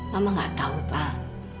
mama nggak tahu pak